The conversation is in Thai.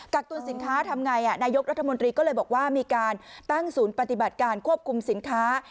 ักตุลสินค้าทำไงนายกรัฐมนตรีก็เลยบอกว่ามีการตั้งศูนย์ปฏิบัติการควบคุมสินค้า